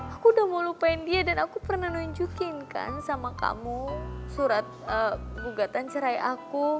aku udah mau lupain dia dan aku pernah nunjukin kan sama kamu surat gugatan cerai aku